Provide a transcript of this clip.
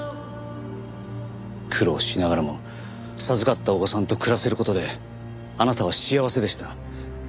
苦労しながらも授かったお子さんと暮らせる事であなたは幸せでした。